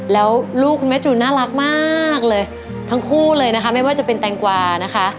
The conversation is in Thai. แล้วลูกคุณแม่จูนน่ารักมากเลยทั้งคู่เลยนะคะไม่ว่าจะเป็นแตงกวานะคะ